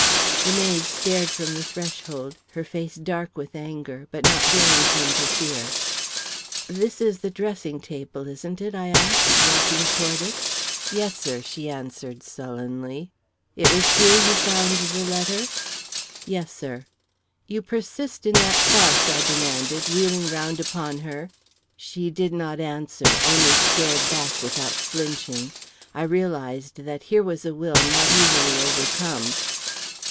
The maid stared from the threshold, her face dark with anger, but not daring to interfere. "This is the dressing table, isn't it?" I asked, walking toward it. "Yes, sir," she answered sullenly. "It was here you found the letter?" "Yes, sir." "You persist in that farce?" I demanded, wheeling round upon her. She did not answer, only stared back without flinching. I realised that here was a will not easily overcome.